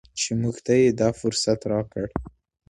چې موږ ته یې دا فرصت راکړ.